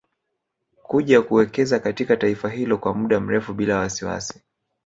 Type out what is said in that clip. Kuja kuwekeza katika taifa hilo kwa mda mrefu bila wasiwasi